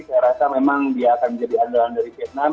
saya rasa memang dia akan menjadi andalan dari vietnam